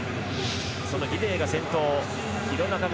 そのギデイが先頭。